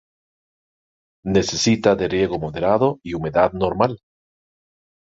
Necesita de riego moderado y humedad normal.